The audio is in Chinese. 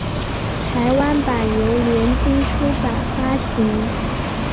台湾版由联经出版发行。